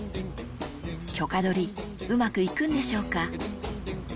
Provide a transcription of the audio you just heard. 許可どりうまくいくんでしょうか？